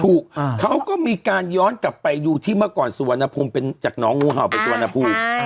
เขาก็มีการย้อนกลับไปดูที่เมื่อก่อนสุวรรณภูมิเป็นจากน้องงูเห่าไปสุวรรณภูมิ